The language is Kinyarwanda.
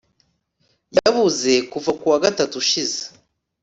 yabuze kuva ku wa gatatu ushize